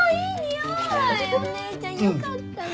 お姉ちゃんよかったね。